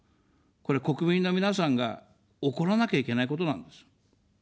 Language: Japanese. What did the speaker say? これ、国民の皆さんが怒らなきゃいけないことなんです。